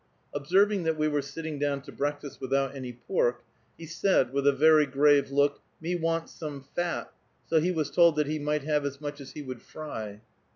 Observing that we were sitting down to breakfast without any pork, he said, with a very grave look, "Me want some fat," so he was told that he might have as much as he would fry.